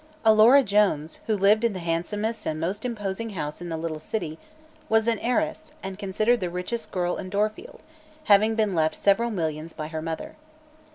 Alora Jones, who lived in the handsomest and most imposing house in the little city, was an heiress and considered the richest girl in Dorfield, having been left several millions by her mother.